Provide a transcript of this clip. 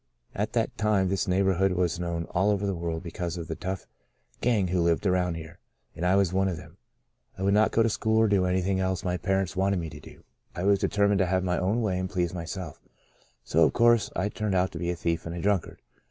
At that time this neighbourhood was known all over the world because of the tough gang who lived around here, and I was one of them. I would not go to school or do anything else " Out of Nazareth *' 1 23 my parents wanted me to do. I was deter mined to have my own way and please my self, so, of course, I turned out to be a thief and a drunkard.